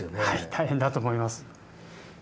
大変だと思います。